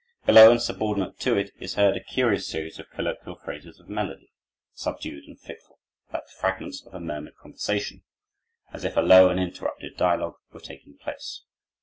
Below and subordinate to it is heard a curious series of colloquial phrases of melody, subdued and fitful, like the fragments of a murmured conversation, as if a low and interrupted dialogue were taking place.